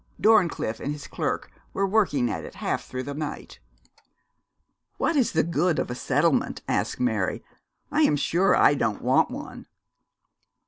Dorncliffe and his clerk were working at it half through the night.' 'What is the good of a settlement?' asked Mary. 'I'm sure I don't want one.'